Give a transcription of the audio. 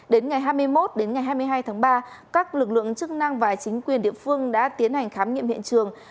đến ngày hai mươi một đến ngày hai mươi hai tháng ba các lực lượng chức năng và chính quyền địa phương đã tiến hành khám nghiệm hiện trường